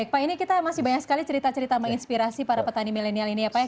pak ini kita masih banyak sekali cerita cerita menginspirasi para petani milenial ini ya pak